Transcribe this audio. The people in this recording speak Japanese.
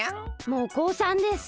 もうこうさんです。